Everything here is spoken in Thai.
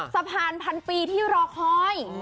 สะพานพันปีที่รอคอย